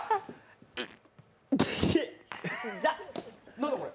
何だこれ？